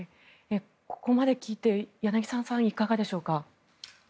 ここまで聞いて柳澤さん、いかがでしょうか。